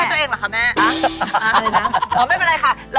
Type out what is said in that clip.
ใช่แม่